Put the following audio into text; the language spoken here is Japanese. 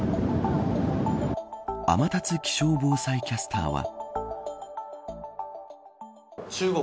天達気象防災キャスターは。